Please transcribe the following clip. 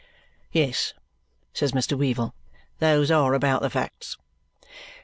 "Yes," says Mr. Weevle. "Those are about the facts."